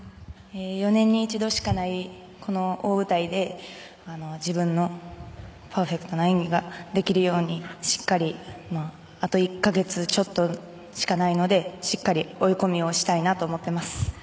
４年に一度しかないこの大舞台で自分のパーフェクトの演技ができるようにあと１か月ちょっとしかないのでしっかり追い込みをしたいなと思ってます。